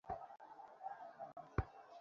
একদিন তো সে গলির মোড় পর্যন্ত গিয়া ফিরিয়া আসিল।